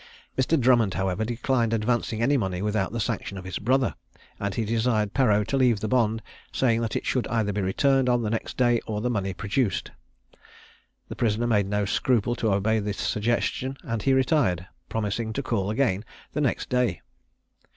Mr. Drummond, however, declined advancing any money without the sanction of his brother, and he desired Perreau to leave the bond, saying that it should either be returned on the next day, or the money produced. The prisoner made no scruple to obey this suggestion, and he retired, promising to call again the next day.